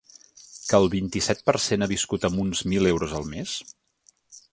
Que el vint-i-set per cent ha viscut amb uns mil euros el mes?